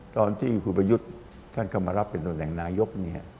ตอนที่คุณประยุทธ์เข้ามารับเป็นตัวแห่งนายก